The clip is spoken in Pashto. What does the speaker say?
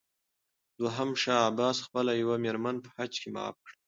دوهم شاه عباس خپله یوه مېرمن په حج کې معاف کړه.